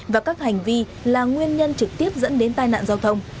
và các hành vi là nguyên nhân trực tiếp dẫn đến tai nạn giao thông